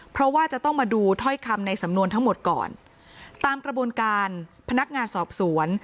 เพราะว่าจะต้องมาดูถ้อยคำในสำนวนทั้งหมดก่อนตามกระบวนการพนักงานสอบสวน